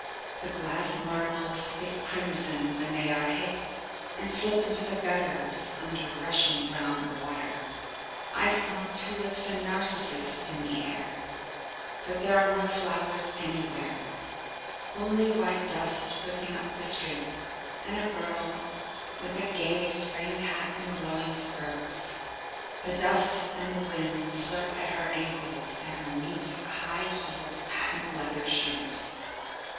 The glass marbles spit crimson when they are hit, and slip into the gutters under rushing brown water. I smell tulips and narcissus in the air, but there are no flowers anywhere, only white dust whipping up the street, and a girl with a gay Spring hat and blowing skirts. The dust and the wind flirt at her ankles and her neat, high heeled patent leather shoes.